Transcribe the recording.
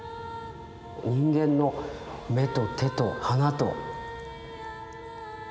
人間の目と手と鼻と。